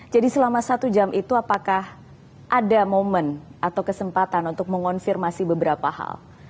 jadi selama satu jam itu apakah ada momen atau kesempatan untuk mengonfirmasi beberapa hal